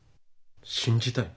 信じたい？